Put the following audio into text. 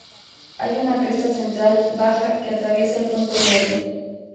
Hay una cresta central baja que atraviesa el punto medio.